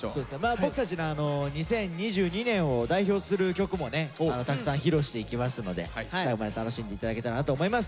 僕たちの２０２２年を代表する曲もねたくさん披露していきますので最後まで楽しんで頂けたらなと思います。